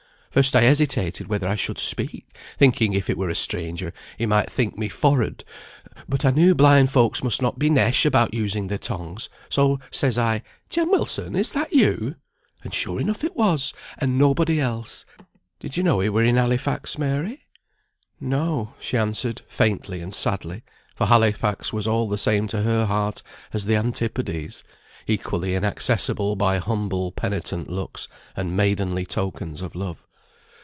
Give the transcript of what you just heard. First I hesitated whether I should speak, thinking if it were a stranger he'd may be think me forrard. But I knew blind folks must not be nesh about using their tongues, so says I, 'Jem Wilson, is that you?' And sure enough it was, and nobody else. Did you know he were in Halifax, Mary?" [Footnote 41: "Forrard," forward.] "No;" she answered, faintly and sadly; for Halifax was all the same to her heart as the Antipodes; equally inaccessible by humble penitent looks and maidenly tokens of love.